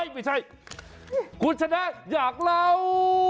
ไม่ใช่คุณชนะอยากเล่า